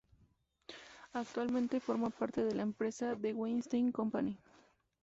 Actualmente forma parte de la empresa The Weinstein Company.